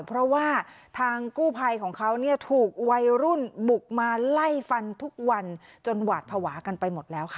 เพราะว่าทางกู้ภัยของเขาเนี่ยถูกวัยรุ่นบุกมาไล่ฟันทุกวันจนหวาดภาวะกันไปหมดแล้วค่ะ